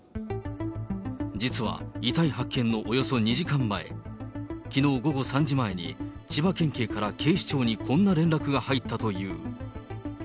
実は遺体発見のおよそ２時間前、きのう午後３時前に、千葉県警から警視庁にこんな連絡が入ったという。